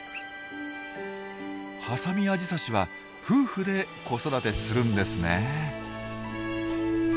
ハサミアジサシは夫婦で子育てするんですね。